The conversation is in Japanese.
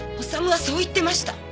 修はそう言ってました。